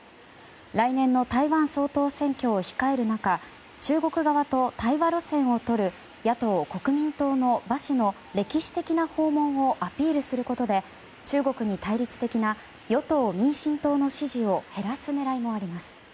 来年の台湾総統選挙を控える中中国側と対話路線をとる野党・国民党の馬氏の歴史的な訪問をアピールすることで中国に対立的な与党・民進党の支持を減らす狙いもあります。